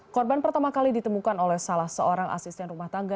korban pertama kali ditemukan oleh salah seorang asisten rumah tangga